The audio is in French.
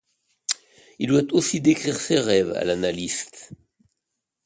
Il doit aussi décrire ses rêves à l'analyste.